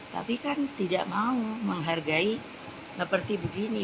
tapi kan tidak mau menghargai seperti begini